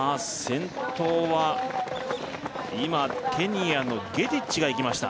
先頭は今ケニアのゲティッチがいきました